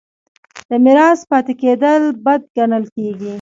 د میرات پاتې کیدل بد ګڼل کیږي.